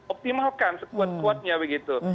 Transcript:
optimalkan sekuat kuatnya begitu